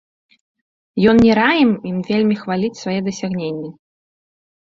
Ён не раім ім вельмі хваліць свае дасягненні.